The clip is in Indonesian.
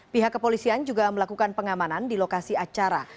pihak kepolisian juga melakukan pengamanan di lokasi acara